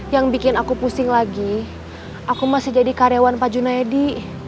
yang bikin aku pusing lagi aku masih jadi karyawan pak junaidi